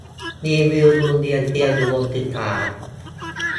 รีวิวโรงเรียนเตรียมอุดมศึกษา